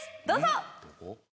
どうぞ！